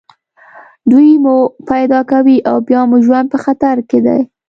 دوی مو پیدا کوي او بیا مو ژوند په خطر کې دی